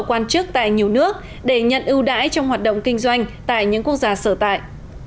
quan chức tại nhiều nước để nhận ưu đãi trong hoạt động kinh doanh tại những quốc gia sở tại